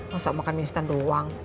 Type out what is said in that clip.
masa makan mie instan doang